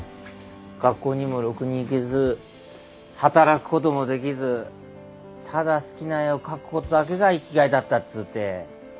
学校にもろくに行けず働くこともできずただ好きな絵を描くことだけが生きがいだったっつうて。